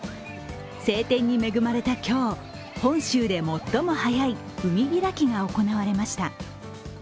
晴天に恵まれた今日、本州で最も早い海開きが行われました。